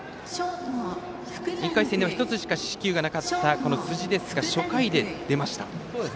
１回戦では１つしか四死球がなかったこの辻ですが、初回で出ました。